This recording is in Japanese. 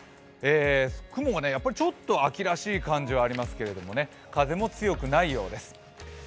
雲がちょっと秋らしい感じはありますけれども、風も強くないようです。